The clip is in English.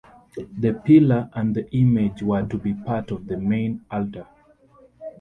The pillar and the image were to be part of the main altar.